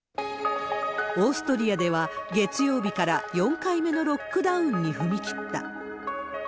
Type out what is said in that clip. オーストリアでは、月曜日から４回目のロックダウンに踏み切った。